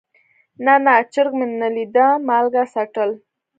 نه نه چرګ مې نه ليده مالګه څټل.